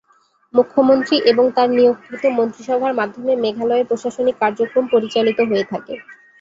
মুখ্যমন্ত্রী এবং তার নিয়োগকৃত মন্ত্রিসভার মাধ্যমে মেঘালয়ের প্রশাসনিক কার্যক্রম পরিচালিত হয়ে থাকে।